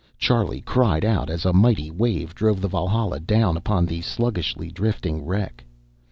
Charlie cried out as a mighty wave drove the Valhalla down upon the sluggishly drifting wreck.